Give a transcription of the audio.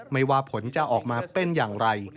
ไม่ว่าผลจะออกมาเป็นอย่างไร